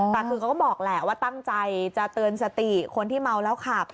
แต่คือเขาก็บอกแหละว่าตั้งใจจะเตือนสติคนที่เมาแล้วขับ